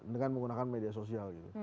dengan menggunakan media sosial